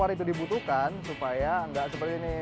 karena itu dibutuhkan supaya nggak seperti ini